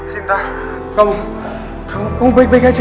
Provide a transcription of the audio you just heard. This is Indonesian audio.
sinta kamu baik baik saja